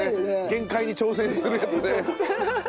限界に挑戦するやつね。